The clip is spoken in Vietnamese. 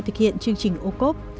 thực hiện chương trình ocob